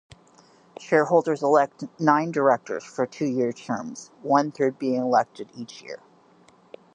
Shareholders elect nine directors for two-year terms, one-third being elected each year.